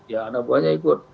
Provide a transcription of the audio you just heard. ya anak buahnya ikut